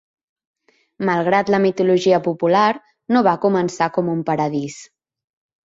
Malgrat la mitologia popular, no va començar com un paradís.